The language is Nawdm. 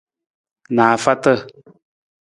Naafaata.